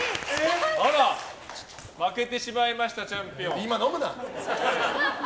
負けてしまいましたチャンピオン。